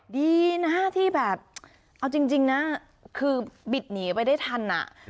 ดีนะที่แบบเอาจริงนะคือบิดหนีไปได้ทัน